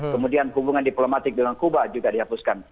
kemudian hubungan diplomatik dengan kuba juga dihapuskan